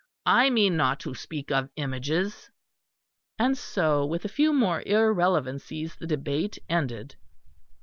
I mean not to speak of images." And so with a few more irrelevancies the debate ended.